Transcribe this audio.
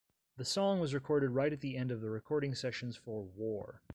The song was recorded right at the end of the recording sessions for "War".